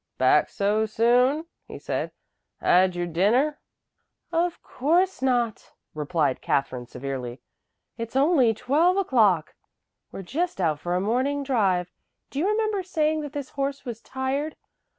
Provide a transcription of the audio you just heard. "Back so soon?" he said. "Had your dinner?" "Of course not," replied Katherine severely. "It's only twelve o'clock. We're just out for a morning drive. Do you remember saying that this horse was tired?